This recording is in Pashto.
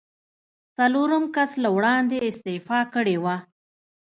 څلورم کس له وړاندې استعفا کړې وه.